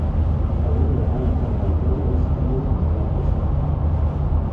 Hauria d'anar al carrer del Progrés número noranta-set.